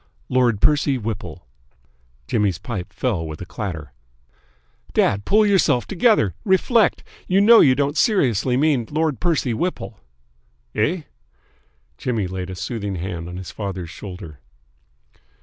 "Lord Percy Whipple." Jimmy's pipe fell with a clatter. "Dad, pull yourself together! Reflect! You know you don't seriously mean Lord Percy Whipple." "Eh?" Jimmy laid a soothing hand on his father's shoulder.